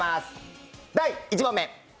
第１問目。